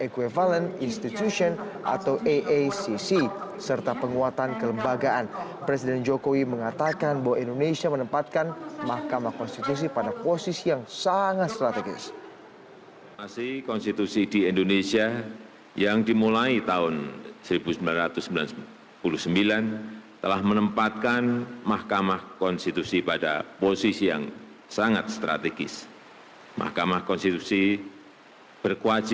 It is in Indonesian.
kongres ini akan membahas usulan pembukaan sekretariat permanen bagi association of asian constitutional court